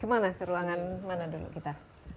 kemana ruangan mana dulu kita